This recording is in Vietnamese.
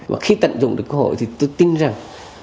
và khi tận dụng được cơ hội thì tôi tin rằng